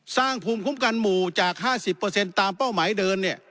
สร้างภูมิคุ้มกันหมู่จาก๕๐ตามเป้าหมายเดิน